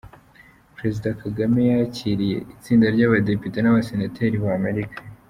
Perezida Kagame yakiriye itsinda ry’Abadepite n’Abasenateri ba Amerika